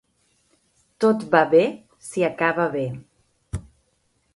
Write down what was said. Tot va bé si acaba bé